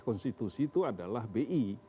konstitusi itu adalah bi